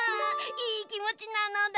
いいきもちなのだ！